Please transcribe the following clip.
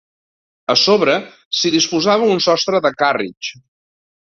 A sobre, s'hi disposava un sostre de càrritx.